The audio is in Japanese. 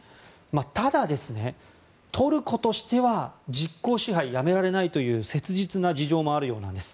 ただ、トルコとしては実効支配をやめられないという切実な事情もあるようです。